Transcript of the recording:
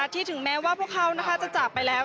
ถึงแม้ว่าพวกเขาจะจากไปแล้ว